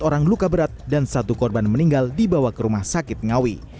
tiga orang luka berat dan satu korban meninggal dibawa ke rumah sakit ngawi